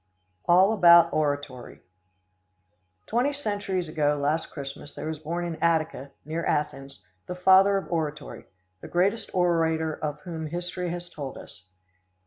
All About Oratory. Twenty centuries ago last Christmas there was born in Attica, near Athens, the father of oratory, the greatest orator of whom history has told us.